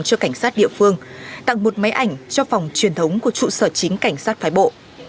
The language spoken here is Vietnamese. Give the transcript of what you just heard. cho cảnh sát địa phương tặng một máy ảnh cho phòng truyền thống của trụ sở chính cảnh sát phái bộ